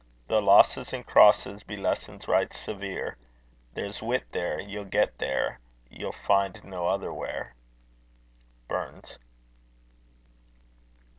Tho' losses, and crosses, Be lessons right severe, There's wit there, ye'll get there, Ye'll find nae other where. BURNS.